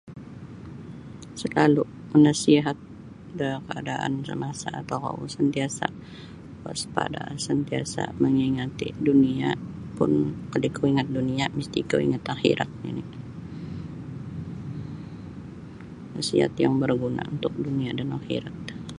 Salalu manasihat da kaadaan samasa tokou sentiasa waspada sentiasa mengingati dunia pun kalau kau ingat da dunia pun misti kau ingat akhirat nininasiat yang berguna untuk dunia dan akhirat.